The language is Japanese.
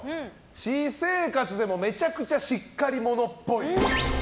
私生活でもめちゃくちゃしっかり者っぽい。